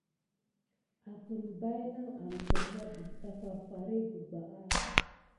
Afən baynawa amet ne ɗifta farfar kiy ɓubaha.